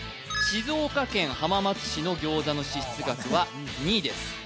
静岡県浜松市の餃子の支出額は２位です